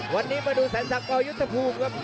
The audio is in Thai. วันนี้มาดูแสนศักดิ์ยุทธภูมิครับ